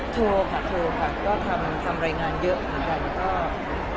โทรค่ะโทรค่ะก็ทำรายงานเยอะเหมือนกันก็